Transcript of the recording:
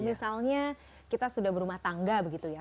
misalnya kita sudah berumah tangga